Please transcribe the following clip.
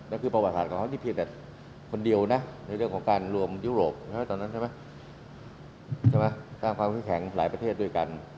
นั่นคือประวัติศาสตร์ของเขานี่เพียงแต่คนเดียวนะในเรื่องของการรวมยุโรปใช่ไหมตอนนั้นใช่ไหมสร้างความเข้มแข็งหลายประเทศด้วยกัน